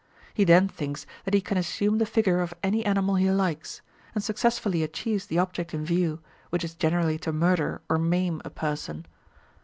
He then thinks that he can assume the figure of any animal he likes, and successfully achieves the object in view, which is generally to murder or maim a person.